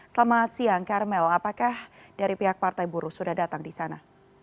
selamat siang karmel apakah dari pihak partai buruh sudah datang di sana